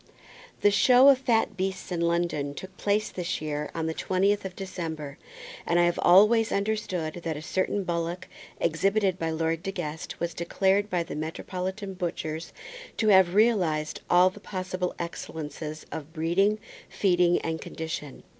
The show of fat beasts in London took place this year on the twentieth day of December, and I have always understood that a certain bullock exhibited by Lord De Guest was declared by the metropolitan butchers to have realized all the possible excellences of breeding, feeding, and condition.